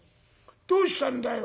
どうしたんだよ」。